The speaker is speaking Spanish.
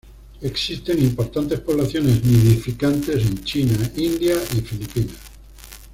Existen importantes poblaciones nidificantes en China, India y Filipinas.